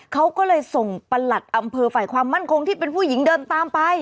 เขาก็เลยส่งประหลัดอำเภอฝ่ายความมั่นคงที่เป็นผู้หญิงเดินตามไป